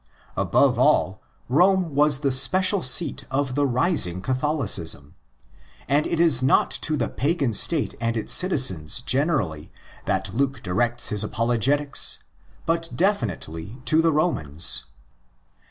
Above all, Rome was the special seat of the rising Catholicism; and it is not to the pagan State and its citizens generally that Luke directs his apologetics, but definitely to the Romans.